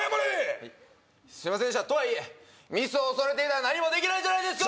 はいすいませんでしたとはいえミスを恐れていたら何もできないじゃないですか！